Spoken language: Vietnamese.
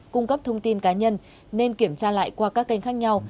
cung cấp thông tin cá nhân nên kiểm tra lại qua các kênh khác nhau